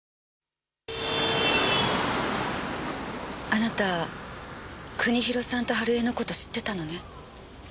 あなた国広さんと春枝の事知ってたのね？